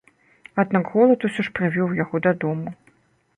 Аднак голад усё ж прывёў яго дадому.